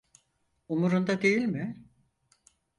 Umurunda değil mi?